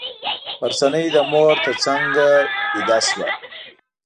غرڅنۍ د مور تر څنګه ویده شوه.